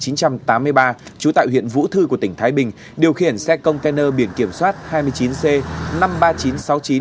năm một nghìn chín trăm tám mươi ba chú tại huyện vũ thư của tỉnh thái bình điều khiển xe container biển kiểm soát hai mươi chín c năm mươi ba nghìn chín trăm sáu mươi chín